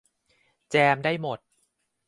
แจมได้หมด